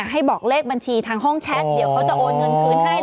ให้บอกเลขบัญชีทางห้องแชทเดี๋ยวเขาจะโอนเงินคืนให้